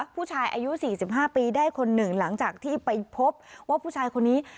ผู้ชายอายุ๔๕ปีได้คนหนึ่งหลังจากที่ไปพบว่าผู้ชายคนนี้